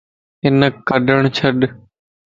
ھنک ڪڏڻ ڇڏ